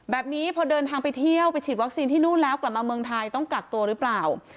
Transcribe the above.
แบบนี้พอเดินทางไปเที่ยวไปฉีดวัคซีนที่นู่นแล้วกลับมาเมืองไทยต้องกักตัวหรือเปล่า